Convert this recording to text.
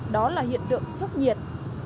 đó là hiện tượng sốc nhiệt